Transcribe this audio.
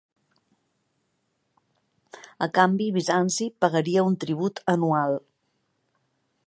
A canvi, Bizanci pagaria un tribut anual.